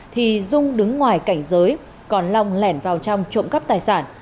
thì dung đứng ngoài cảnh giới còn long lẻn vào trong trộm cắp tài sản